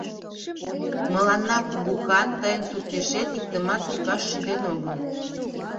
Мыланна кугу хан тыйын суртешет иктымат тӱкаш шӱден огыл.